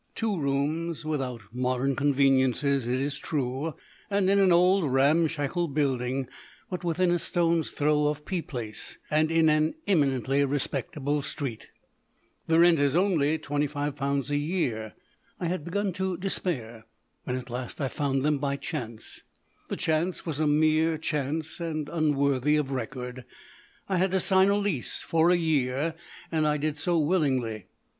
Two rooms, without modern conveniences, it is true, and in an old, ramshackle building, but within a stone's throw of P Place and in an eminently respectable street. The rent is only £25 a year. I had begun to despair when at last I found them by chance. The chance was a mere chance, and unworthy of record. I had to sign a lease for a year, and I did so willingly.